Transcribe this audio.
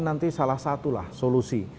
nanti salah satulah solusi